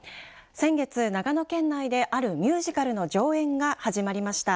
先月、長野県内であるミュージカルの上演が始まりました。